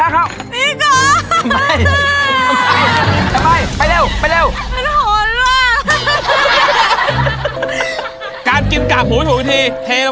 กลางบึเงอะ